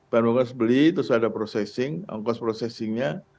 bahan bakunya harus beli terus ada processing angkos processing nya